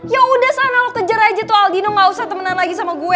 ya udah se analog kejar aja tuh aldino gak usah temenan lagi sama gue